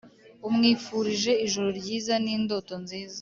umwifurize ijoro ryiza, n’indoto nziza